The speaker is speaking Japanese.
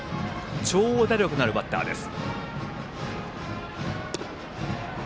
長打力のあるバッターです。